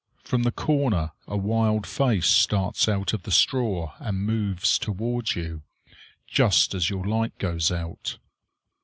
From the corner a wild face starts out of the straw and moves toward you, just as your light goes out.